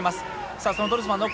さあそのドルスマンの奥